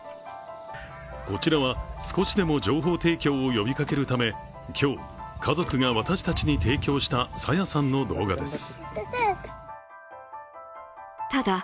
こちらは少しでも情報提供を呼びかけるため、今日、家族が私たちに提供した朝芽さんの動画です。